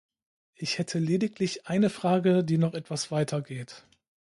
Ich hätte lediglich eine Frage, die noch etwas weiter geht.